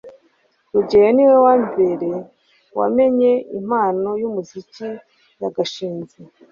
rugeyo niwe wambere wamenye impano yumuziki ya gashinzi